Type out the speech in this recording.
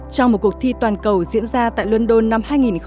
trong một cuộc thi toàn cầu diễn ra tại london năm hai nghìn một mươi tám